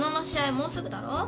もうすぐだろ。